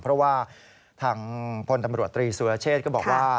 เพราะว่าทางพลตำรวจตรีสุรเชษก็บอกว่า